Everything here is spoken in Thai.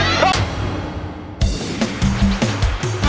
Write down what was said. โอ้โห